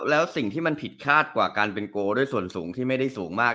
แล้วสิ่งที่มันผิดคาดกว่าการเป็นโกลด้วยส่วนสูงที่ไม่ได้สูงมาก